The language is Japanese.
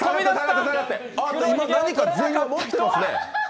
今何か全員が持ってますね。